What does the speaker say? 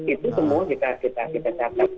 itu semua kita catat